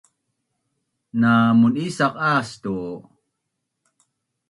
Namun’isaq aas tu?